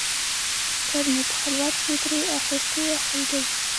پرون مې په خلوت کې ترې اخیستې وه خولګۍ